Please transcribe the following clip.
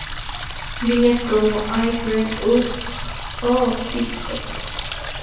Líneas como "I grew up on hip hop.